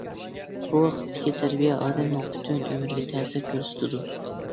بۇ ۋاقىتتىكى تەربىيە ئادەمنىڭ پۈتۈن ئۆمرىگە تەسىر كۆرسىتىدۇ.